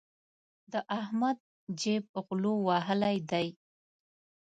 د احمد جېب غلو وهلی دی.